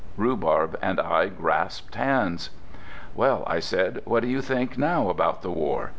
Rhubarb and I grasped hands. "Well," I said, "what do you think now about the war?